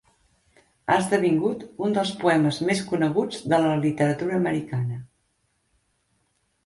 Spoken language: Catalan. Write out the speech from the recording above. Ha esdevingut un dels poemes més coneguts de la literatura americana.